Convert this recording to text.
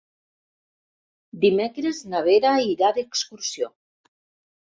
Dimecres na Vera irà d'excursió.